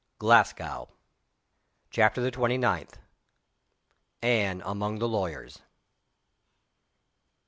GLASGOW. CHAPTER THE TWENTY NINTH. ANNE AMONG THE LAWYERS.